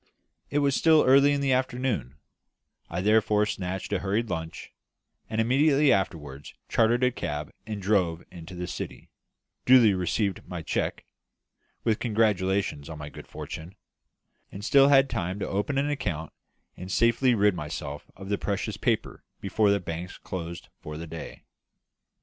It was still early in the afternoon; I therefore snatched a hurried lunch; and immediately afterwards chartered a cab and drove into the City; duly received my cheque, with congratulations on my good fortune; and still had time to open an account and safely rid myself of the precious paper before the banks closed for the day.